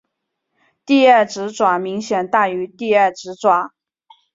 第二指爪明显大于第二指爪。